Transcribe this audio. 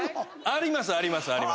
ありますあります。